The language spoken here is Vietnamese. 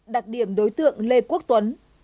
đặc điểm đối tượng lê quốc tuấn